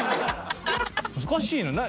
難しいな。